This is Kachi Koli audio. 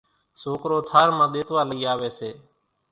سوڪرو ٿار مان ۮيتوا لئي آوي سي